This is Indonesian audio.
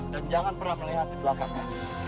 dan jangan pernah melihat di belakangnya